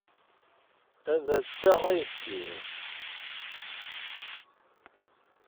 Ad d-taɣ ayefki.